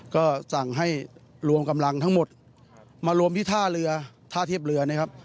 ก็สั่งให้รวมกำลังทั้งหมดมารวมที่ท่าเรือท่าเทียบเรือนะครับ